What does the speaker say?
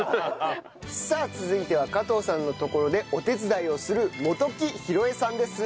さあ続いては加藤さんのところでお手伝いをする元木浩恵さんです。